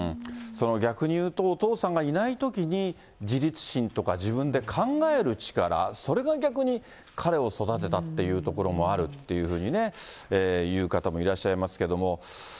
その逆に言うと、お父さんがいないときに、自立心とか、自分で考える力、それが逆に彼を育てたっていうところもあるっていうふうにね、言う方もいらっしゃいますけども。